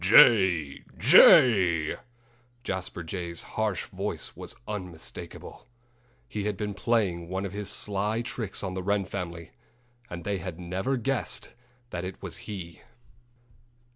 "Jay! jay!" Jasper Jay's harsh voice was unmistakable. He had been playing one of his sly tricks on the Wren family; and they had never guessed that it was he!